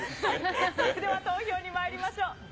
さあ、それでは投票にまいりましょう。